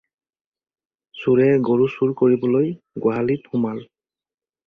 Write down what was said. চোৰে গৰু চুৰ কৰিবলৈ গোহালিত সোমাল।